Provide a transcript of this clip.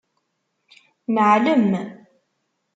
Neɛlem.